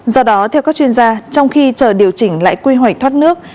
do đó theo các chuyên gia trong khi chờ điều chỉnh lại quy hoạch thoát nước